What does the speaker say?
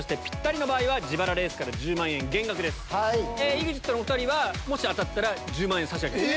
ＥＸＩＴのお２人もし当たったら１０万円差し上げます。